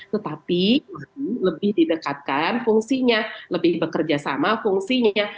tetapi lebih didekatkan fungsinya lebih bekerja sama fungsinya